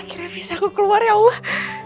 akhirnya bisa aku keluar ya allah